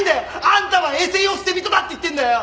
あんたはえせ世捨て人だって言ってんだよ！